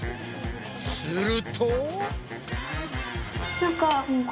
すると。